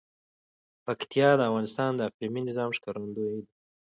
پکتیا د افغانستان د اقلیمي نظام ښکارندوی ده.